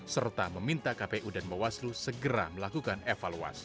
serta meminta kpu dan bawaslu segera melakukan evaluasi